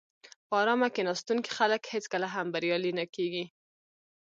په آرامه کیناستونکي خلک هېڅکله هم بریالي نه کېږي.